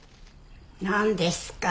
何ですか？